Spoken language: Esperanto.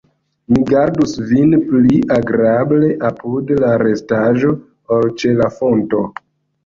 Mi gardus vin pli agrable apud la rostaĵo, ol ĉe la fonto.